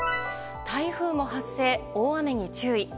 台風も発生、大雨に注意。